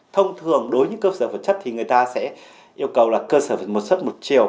thông thường đối với những cơ sở vật chất thì người ta sẽ yêu cầu là cơ sở phải một xuất một chiều